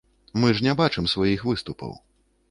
Мы ж не бачым сваіх выступаў.